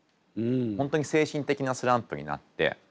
本当に精神的なスランプになって。